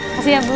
kasih ya bu